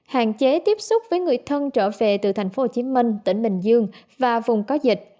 hạn chế tiếp xúc với người thân trở về từ tp hcm tỉnh bình dương và vùng có dịch